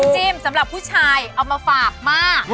สำหรับผู้ชายเอามาฝากมาก